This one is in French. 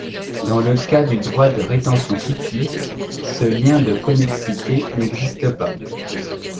Dans le cas du droit de rétention fictif, ce lien de connexité n'existe pas.